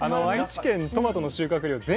愛知県トマトの収穫量